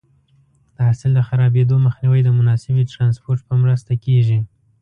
د حاصل د خرابېدو مخنیوی د مناسبې ټرانسپورټ په مرسته کېږي.